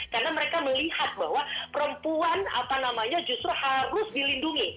karena mereka melihat bahwa perempuan justru harus dilindungi